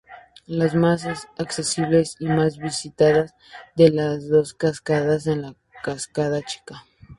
Las más accesibles y más visitadas de las dos cascadas es la "cascada chica".